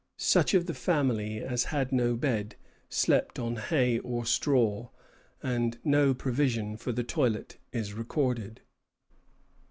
Such of the family as had no bed slept on hay or straw, and no provision for the toilet is recorded.